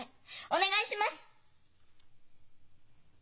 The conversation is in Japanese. お願いします！